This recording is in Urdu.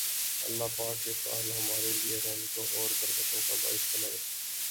الله پاک یہ سال ہمارے لیئے رحمتوں اور برکتوں کا باعث بنائے